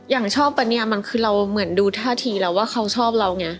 อย่างชอบแบนแดงเราก็เหมือนดูท่าทีแล้วว่าเขาชอบเรานี่